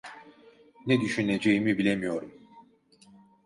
Ne düşüneceğimi bilemiyorum.